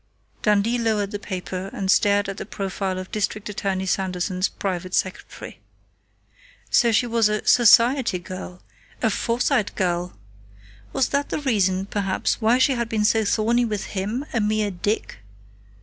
Dundee lowered the paper and stared at the profile of District Attorney Sanderson's private secretary. So she was a "society girl," a "Forsyte" girl! Was that the reason, perhaps, why she had been so thorny with him, a mere "dick"?